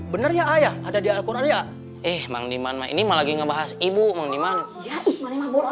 bener ya ayah ada di alquran ya eh mandiman ini mau lagi ngebahas ibu mandiman ibu malah